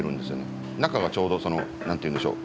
中がちょうど何て言うんでしょう